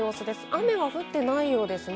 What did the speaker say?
雨は降ってないようですね。